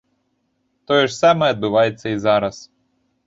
Тое ж самае адбываецца і зараз.